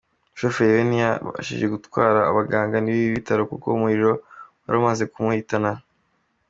Umushoferi we ntiyashije gutabarwa n’abaganga b’ibi bitaro kuko umuriro wari wamaze kumuhitana.